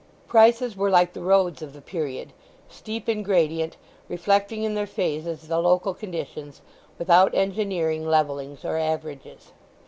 Prices were like the roads of the period, steep in gradient, reflecting in their phases the local conditions, without engineering, levellings, or averages.